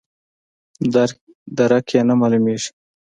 درک یې نه معلومیږي.